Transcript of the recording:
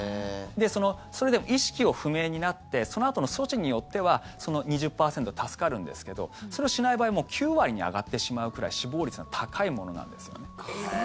それでも意識不明になってそのあとの措置によっては２０％助かるんですけどそれをしない場合もう９割に上がってしまうくらい死亡率が高いものなんですよね。